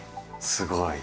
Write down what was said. すごい！